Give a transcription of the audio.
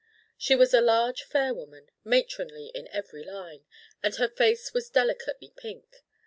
She was a large, fair woman, matronly in every line, and her face was delicately pink.